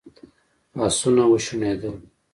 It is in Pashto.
آسونه وشڼېدل.